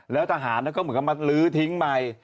แล้วทหารก็เหมือนกับมาลื้อทิ้งใหม่